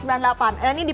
ini di perancis ya